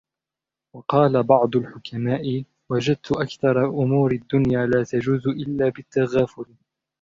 وَقَالَ بَعْضُ الْحُكَمَاءِ وَجَدْت أَكْثَرَ أُمُورِ الدُّنْيَا لَا تَجُوزُ إلَّا بِالتَّغَافُلِ